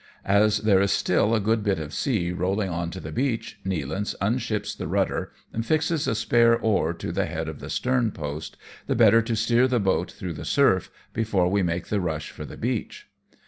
As there is still a good bit of sea rolling on to the beach, Nealance unships the rudder, and fixes a spare oar to the head of the stern post, the better to steer the boat through the surf, before we make the rush for the beach.